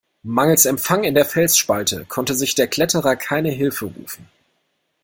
Mangels Empfang in der Felsspalte konnte sich der Kletterer keine Hilfe rufen.